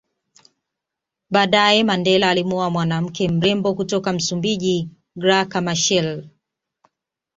Baadaye Mandela alimuoa mwanawake mrembo kutoka Msumbiji Graca Machel